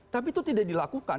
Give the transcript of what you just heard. tapi itu tidak dilakukan